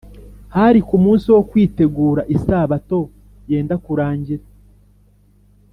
Hari ku munsi wo Kwitegura isabato yenda kurangira